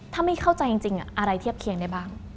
ถ้าไม่เข้าใจจริงอะไรเทียบเคียงได้บ้าง